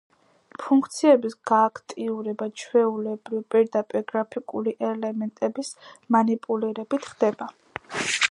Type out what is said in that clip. ფუნქციების გააქტიურება, ჩვეულებრივ, პირდაპირ გრაფიკული ელემენტების მანიპულირებით ხდება.